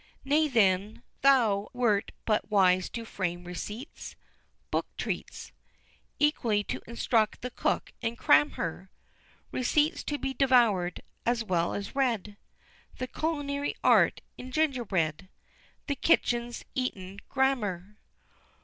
Nay, then, thou wert but wise to frame receipts, Book treats, Equally to instruct the Cook and cram her Receipts to be devour'd, as well as read, The Culinary Art in gingerbread The Kitchen's Eaten Grammar!